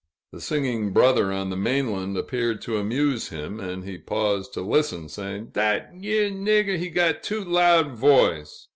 The singing brother on the mainland appeared to amuse him, and he paused to listen, saying, "Dat yere nigger, he got too loud voice!"